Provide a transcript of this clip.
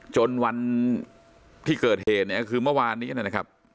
วันที่เกิดเหตุเนี่ยก็คือเมื่อวานนี้นะครับ